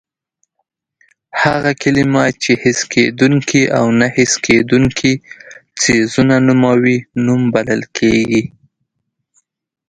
هغه کلمه چې حس کېدونکي او نه حس کېدونکي څیزونه نوموي نوم بلل کېږي.